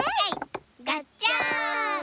がっちゃん。